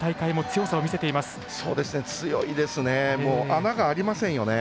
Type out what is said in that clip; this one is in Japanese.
強いですね。